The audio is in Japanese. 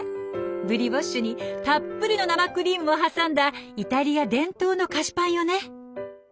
ブリオッシュにたっぷりの生クリームを挟んだイタリア伝統の菓子パンよね。